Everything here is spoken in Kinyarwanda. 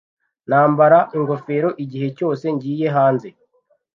Nambara ingofero igihe cyose ngiye hanze.